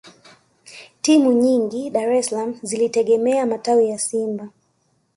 Timu nyingi Dar es salaam zilitegemea matawi ya Simba